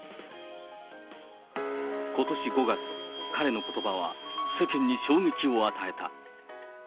ことし５月、彼のことばは世間に衝撃を与えた。